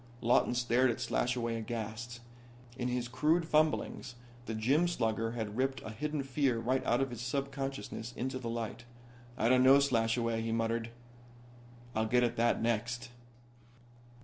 Lawton stared at Slashaway aghast. In his crude fumblings the gym slugger had ripped a hidden fear right out of his subconsciousness into the light. "I don't know, Slashaway," he muttered. "I'll get at that next."